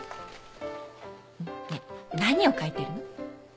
ねえ何を書いてるの？